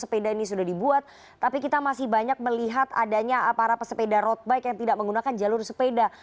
sepeda ini sudah dibuat tapi kita masih banyak melihat adanya para pesepeda road bike yang tidak menggunakan jalur sepeda